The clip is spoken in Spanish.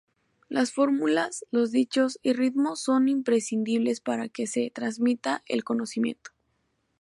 Las fórmulas, los dichos y ritmos son imprescindibles para que se transmita el conocimiento.